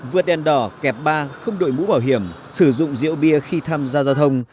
vượt đèn đỏ kẹp ba không đội mũ bảo hiểm sử dụng rượu bia khi tham gia giao thông